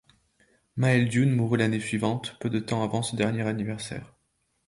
Máel Dúin mourut l'année suivante, peu de temps avant ce dernier adversaire.